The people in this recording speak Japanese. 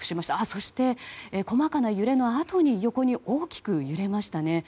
そして、細かな揺れのあとに横に大きく揺れましたね。